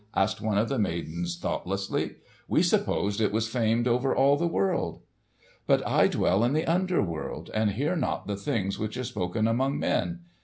asked one of the maidens thoughtlessly. "We supposed it was famed over all the world." "But I dwell in the under world and hear not the things which are spoken among men.